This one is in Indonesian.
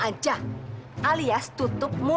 aku akan terus jaga kamu